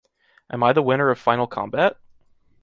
Am I the winner of final combat?